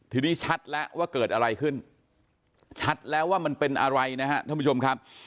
ทีนี้ชัดแล้วว่าเกิดอะไรขึ้นชัดแล้วว่ามันเป็นอะไรนะฮะท่านผู้ชมครับ